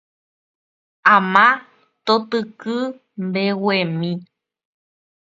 ama totyky mbeguemi